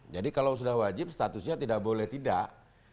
jadi kalau sudah wajib statusnya tidak boleh tidak